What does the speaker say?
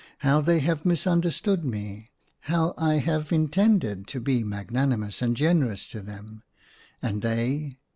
How they have misunderstood me. How I have intended to be magnani mous and generous to them, and they